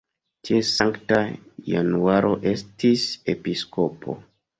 Tie Sankta Januaro estis episkopo.